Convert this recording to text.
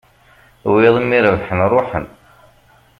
Wiyaḍ mi rebḥen ruḥen